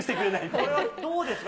これはどうですか？